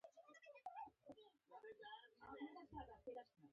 فرګوسن وویل: پر ما لاس چاپیره کړه، وه ده ته مه خاندي.